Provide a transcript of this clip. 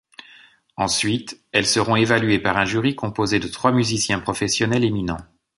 Ensuite, elles seront évaluées par un jury composé de trois musiciens professionnels éminents.